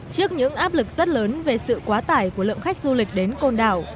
trước những áp lực rất lớn về sự quá tải của lượng khách du lịch đến côn đảo